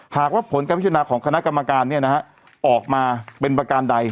หากว่าผลการพิจารณาของคณะกรรมการออกมาเป็นประการใด